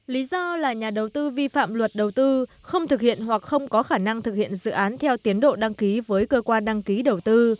lý do là nhà đầu tư vi phạm luật đầu tư không thực hiện hoặc không có khả năng thực hiện dự án theo tiến độ đăng ký với cơ quan đăng ký đầu tư